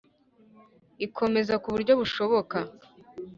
ikomeza ku buryo bushoboka